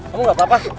kamu gak apa apa